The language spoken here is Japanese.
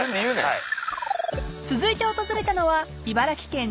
はい。